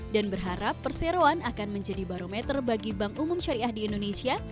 dan berharap perseroan akan menjadi barometer bagi bank umum syariah di indonesia